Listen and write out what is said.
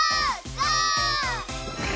ゴー！